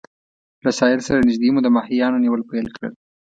له ساحل سره نږدې مو د ماهیانو نیول پیل کړل.